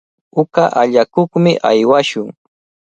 Uqa allakuqmi aywashun.